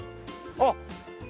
あっ！